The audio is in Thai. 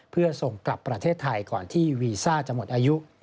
เพื่อส่งกลับประเทศไทยก่อนที่วีซ่าจะหมดอายุ